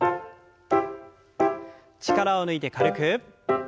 力を抜いて軽く。